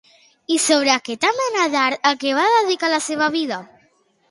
I sobre aquesta mena d'art a què va dedicar la seva vida?